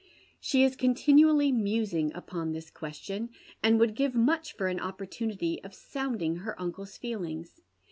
She is continually musing upon this question, and would givo much for an opportunity of sounding her uncle's feelings.